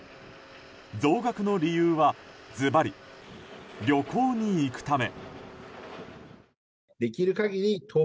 増額の理由はずばり旅行に行くため。